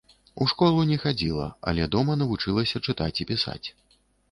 У школу не хадзіла, але дома навучылася чытаць і пісаць.